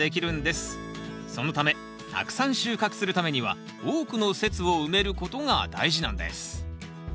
そのためたくさん収穫するためには多くの節を埋めることが大事なんです